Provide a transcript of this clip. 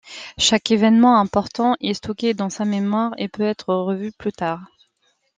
Chaque évènement important est stocké dans sa mémoire et peut être revu plus tard.